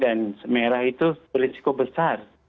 dan merah itu berisiko besar